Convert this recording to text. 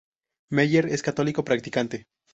Maher es católico practicante.